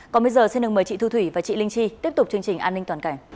còn bây giờ xin mời chị thu thủy và chị linh chi tiếp tục chương trình an ninh toàn cảnh